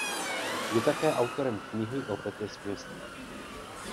Je také autorem knihy o Patti Smith.